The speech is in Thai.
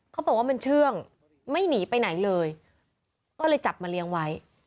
เขาบอกว่ามันเชื่องไม่หนีไปไหนเลยก็เลยจับมาเลี้ยงไว้